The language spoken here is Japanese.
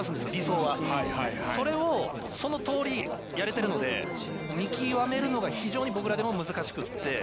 それをそのとおりやれてるので見極めるのが非常に僕らでも難しくって。